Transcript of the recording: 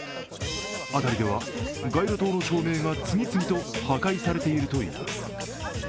辺りでは街路灯の照明が次々と破壊されているといいます。